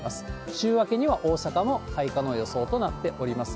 週明けには大阪も開花の予想となっております。